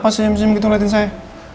kenapa senyum senyum gitu liatin saya